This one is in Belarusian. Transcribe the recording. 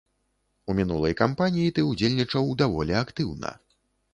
У мінулай кампаніі ты ўдзельнічаў даволі актыўна.